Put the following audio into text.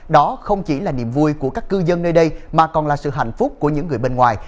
đó không chỉ là niềm vui của các cư dân nơi đây mà còn là sự hạnh phúc của những người bên ngoài